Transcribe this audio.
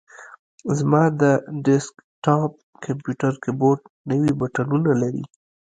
زما د ډیسک ټاپ کمپیوټر کیبورډ نوي بټنونه لري.